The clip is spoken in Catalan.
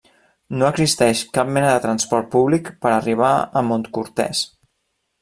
No existeix cap mena de transport públic per arribar a Montcortès.